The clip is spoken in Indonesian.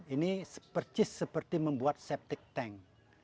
ini percis seperti membuat septic tank